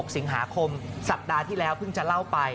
สิงหาคมสัปดาห์ที่แล้วเพิ่งจะเล่าไป